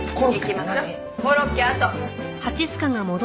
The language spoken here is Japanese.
コロッケあと。